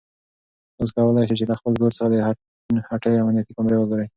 تاسو کولای شئ چې له خپل کور څخه د هټۍ امنیتي کامرې وګورئ.